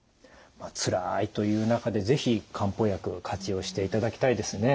つらいという中で是非漢方薬活用していただきたいですね。